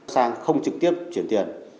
sang không trực tiếp chuyển tiền